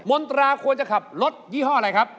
มนตราควรจะขับรถยี่ห้ออะไรครับ